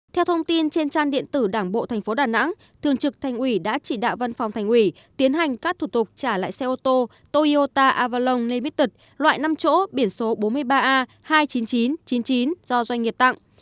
theo thông tin trên trang điện tử đảng bộ tp đà nẵng thường trực thành ủy đã chỉ đạo văn phòng thành ủy tiến hành các thủ tục trả lại xe ô tô toyota avalon lemited loại năm chỗ biển số bốn mươi ba a hai mươi chín nghìn chín trăm chín mươi chín do doanh nghiệp tặng